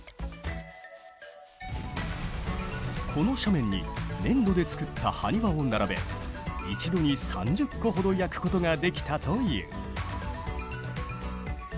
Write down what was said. この斜面に粘土でつくったハニワを並べ一度に３０個ほど焼くことができたという。